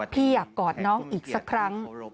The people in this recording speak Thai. พี่อยากกอดน้องอีกสักครั้ง